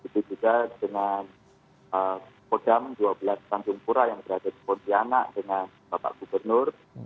begitu juga dengan kodam dua belas tanjung pura yang berada di pontianak dengan bapak gubernur